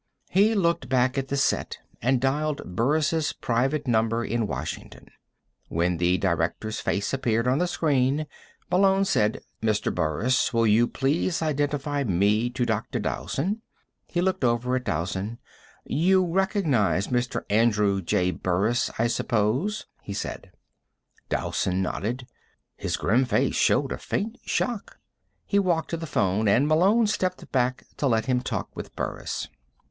He looked back at the set and dialed Burris' private number in Washington. When the director's face appeared on the screen, Malone said: "Mr. Burris, will you please identify me to Dr. Dowson?" He looked over at Dowson. "You recognize Mr. Andrew J. Burris, I suppose?" he said. Dowson nodded. His grim face showed a faint shock. He walked to the phone, and Malone stepped back to let him talk with Burris.